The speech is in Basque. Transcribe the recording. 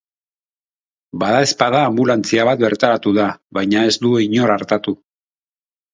Badaezpada anbulantzia bat bertaratu da, baina ez du inor artatu.